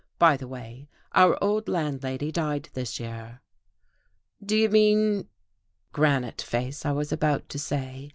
By the way, our old landlady died this year." "Do you mean ?" "Granite Face," I was about to say.